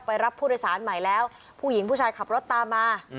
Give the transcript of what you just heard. รับผู้โดยสารใหม่แล้วผู้หญิงผู้ชายขับรถตามมา